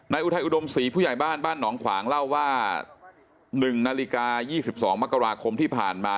อุทัยอุดมศรีผู้ใหญ่บ้านบ้านหนองขวางเล่าว่า๑นาฬิกา๒๒มกราคมที่ผ่านมา